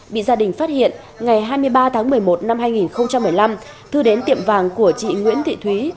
bị gia đình phát hiện ngày hai mươi ba tháng một mươi một năm hai nghìn một mươi năm thư đến tiệm vàng của chị nguyễn thị thúy